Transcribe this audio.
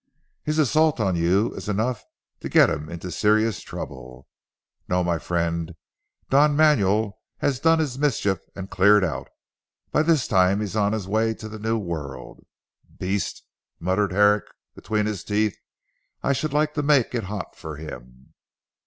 His assault on you, is enough to get him into serious trouble. No, my friend; Don Manuel has done his mischief and cleared out. By this time he is on his way to the new world. Beast!" muttered Herrick between his teeth, "I should like to make it hot for him!"